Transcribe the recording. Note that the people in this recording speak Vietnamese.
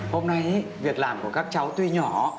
hôm nay việc làm của các cháu tuy nhỏ